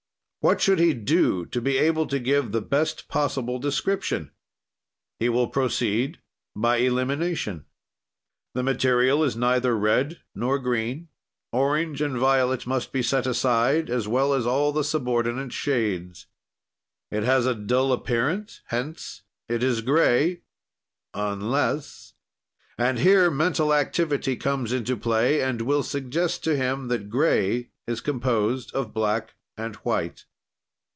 "What should he do to be able to give the best possible description? "He will proceed by elimination. "The material is neither red nor green; orange and violet must be set aside, as well as all the subordinate shades. "It has a dull appearance, hence, it is gray; unless.... And here mental activity comes into play and will suggest to him that gray is composed of black and white.